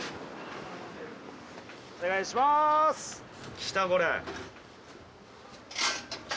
・きたこれ。